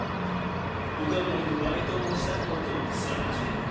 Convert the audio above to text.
僕はバイトもしたことすらなくて。